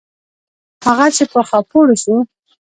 هغه چې په خاپوړو سو.